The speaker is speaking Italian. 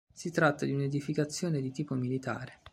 Si tratta di un'edificazione di tipo militare.